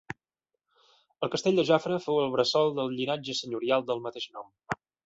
El castell de Jafre fou el bressol del llinatge senyorial del mateix nom.